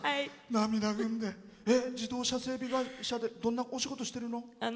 涙ぐんで自動車整備会社でどんなお仕事してるの？